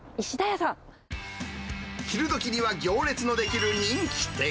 昼どきには行列のできる人気店。